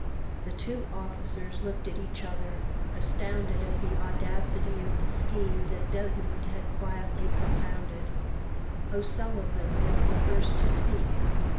The two officers looked at each other, astounded at the audacity of the scheme that Desmond had quietly propounded. O'Sullivan was the first to speak.